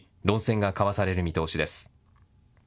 論戦が交わされる見通しです。